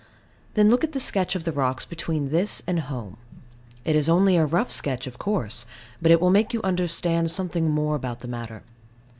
Then look at the sketch of the rocks between this and home. It is only a rough sketch, of course: but it will make you understand something more about the matter.